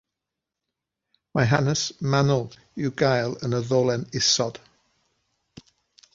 Mae hanes manwl i'w gael yn y ddolen isod.